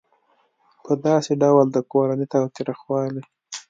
په داسې ډول د کورني تاوتریخوالي